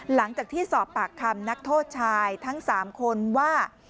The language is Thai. หลังจากที่สอบปากคำนักโทษชายทั้ง๓คนว่า